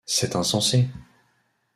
C'est insensé.